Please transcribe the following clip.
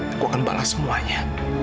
aku akan balas semuanya